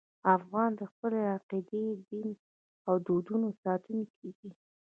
افغان د خپلې عقیدې، دین او دودونو ساتونکی دی.